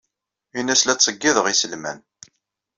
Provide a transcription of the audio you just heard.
Ini-as la ttṣeyyideɣ iselman.